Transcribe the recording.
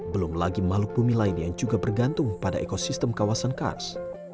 belum lagi makhluk bumi lain yang juga bergantung pada ekosistem kawasan kars